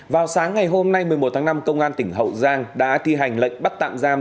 vào sáng ngày hôm nay một mươi một tháng năm công an tỉnh hậu giang đã thi hành lệnh bắt tạm giam